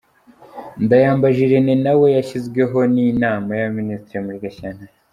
Ndayambaje Irenée nawe yashyizweho n’Inama y’abaminisitiri muri Gashyantare.